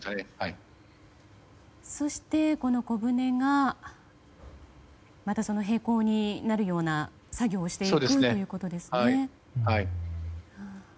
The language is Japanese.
そして、この小船がまた平行になるような作業をしていくということですね。